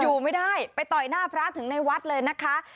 อยู่ไม่ได้ไปต่อยหน้าพระถึงในวัดเลยนะคะ